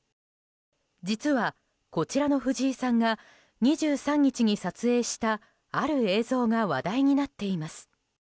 実は、こちらの藤井さんが２３日に撮影したある映像が話題になっています。